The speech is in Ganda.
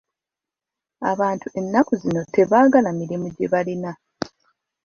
Abantu ennaku zino tebaagala mirimu gye balina.